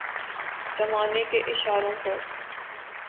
زمانے کے اشاروں پر